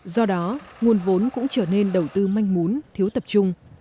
do đó nguồn vốn cũng trở nên đầu tư manh mún thiếu tập trung